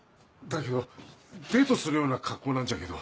だけどデートするような格好なんじゃけど。